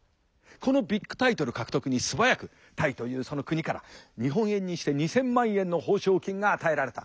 このビッグタイトル獲得に素早くタイというその国から日本円にして２，０００万円の報奨金が与えられた。